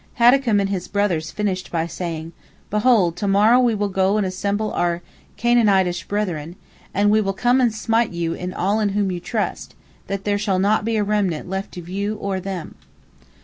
Haddakum and his brothers finished by saying: "Behold, to morrow we will go and assemble our Canaanitish brethren, and we will come and smite you and all in whom you trust, that there shall not be a remnant left of you or them."